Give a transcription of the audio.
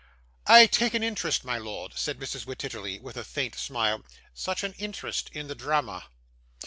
'I take an interest, my lord,' said Mrs. Wititterly, with a faint smile, 'such an interest in the drama.